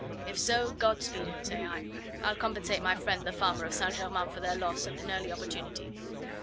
If so, God speed him, say I. I'll compensate my friend the farmer of St. Germain for their loss at an early opportunity.